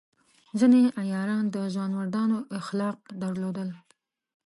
ځینې عیاران د ځوانمردانو اخلاق درلودل.